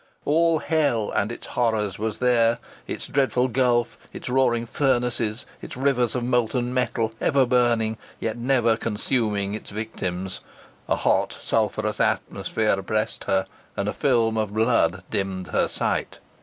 All hell, and its horrors, was there, its dreadful gulf, its roaring furnaces, its rivers of molten metal, ever burning, yet never consuming its victims. A hot sulphureous atmosphere oppressed her, and a film of blood dimmed her sight.